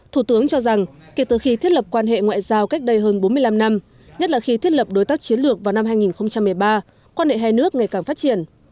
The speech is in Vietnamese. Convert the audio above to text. thủ tướng cho rằng kể từ khi thiết lập quan hệ ngoại giao cách đây hơn bốn mươi năm năm nhất là khi thiết lập đối tác chiến lược vào năm hai nghìn một mươi ba quan hệ hai nước ngày càng phát triển